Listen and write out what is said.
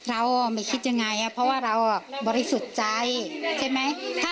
เราไม่คิดยังไงเพราะว่าเราบริสุทธิ์ใจใช่ไหม